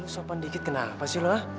sopan dikit kenapa sih lo